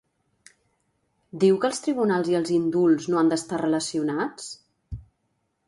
Diu que els tribunals i els indults no han d'estar relacionats?